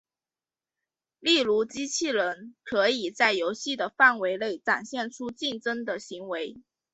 例如机器人可以在游戏的范围内展现出竞争的行为。